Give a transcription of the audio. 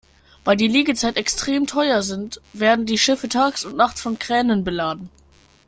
Weil die Liegezeiten extrem teuer sind, werden die Schiffe tags und nachts von Kränen beladen.